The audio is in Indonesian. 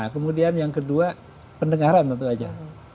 kemudian yang kedua pendengaran tentu saja